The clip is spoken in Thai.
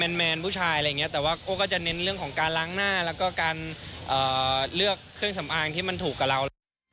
แมนผู้ชายอะไรอย่างนี้แต่ว่าโอ้ก็จะเน้นเรื่องของการล้างหน้าแล้วก็การเลือกเครื่องสำอางที่มันถูกกับเรา